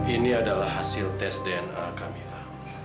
ini adalah hasil tas dna kamila